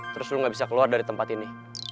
terus lu gabisa keluar dari tempat ini